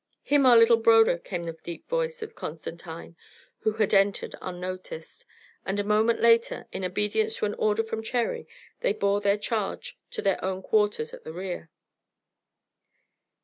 "Him our little broder," came the deep voice of Constantine, who had entered unnoticed; and a moment later, in obedience to an order from Cherry, they bore their charge to their own quarters at the rear.